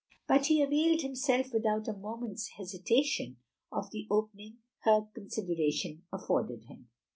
But he availed himself without a moment's hesitation of the opening her con sideration afforded him.